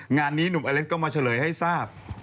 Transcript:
งานนี้หนุ่มอเล็กซ์ก็มาเฉลยให้ทราบ